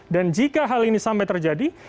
dan jika hal ini sampai terjadi